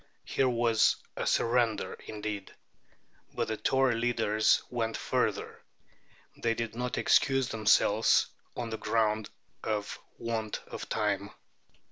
Here was a surrender indeed! But the Tory leaders went further. They did not excuse themselves on the ground of want of time.